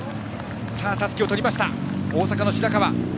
たすきを取った大阪の白川。